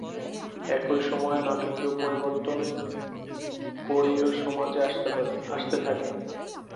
একই সময়ে নাটকীয় পরিবর্তন কোরীয় সমাজে আসতে থাকে।